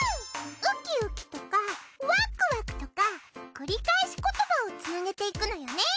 ウキウキとかワクワクとかくりかえしことばをつなげていくのよね。